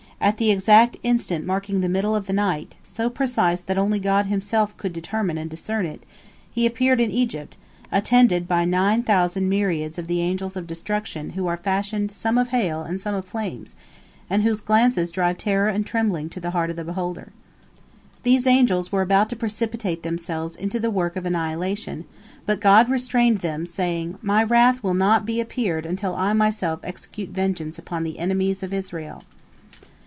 At the exact instant marking the middle of the night, so precise that only God Himself could determine and discern it, He appeared in Egypt, attended by nine thousand myriads of the Angels of Destruction who are fashioned some of hail and some of flames, and whose glances drive terror and trembling to the heart of the beholder. These angels were about to precipitate themselves into the work of annihilation, but God restrained them, saying, "My wrath will not be appeased until I Myself execute vengeance upon the enemies of Israel."